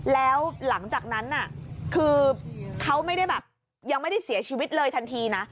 แล้วหลังจากนั้นน่ะคือเขาไม่ได้แบบยังไม่ได้เสียชีวิตเลยทันทีนะ